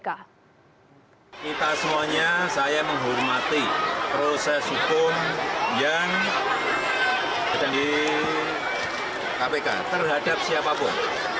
kita semuanya saya menghormati proses hukum yang terhadap siapapun